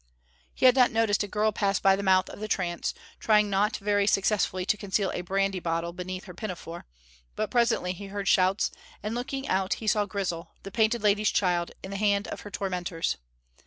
He had not noticed a girl pass the mouth of the trance, trying not very successfully to conceal a brandy bottle beneath her pinafore, but presently he heard shouts, and looking out he saw Grizel, the Painted Lady's child, in the hands of her tormentors.